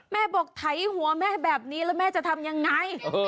แม่บอกไถหัวแม่แบบนี้แล้วแม่จะทำยังไง